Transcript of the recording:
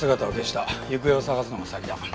行方を捜すのが先だ。